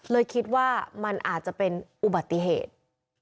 เลยคิดว่ามันอาจจะเป็นอุบัติเหตุ